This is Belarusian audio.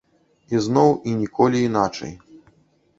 Ізноў і ніколі іначай.